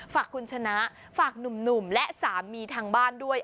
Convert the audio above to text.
ฝากคุณชนะฝากหนุ่มและสามีทางบ้านด้วย